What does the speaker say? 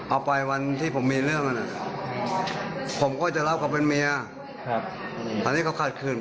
เอาไปวันที่ผมมีเรื่องนั้นผมก็จะรับเขาเป็นเมียอันนี้เขาขาดขึ้น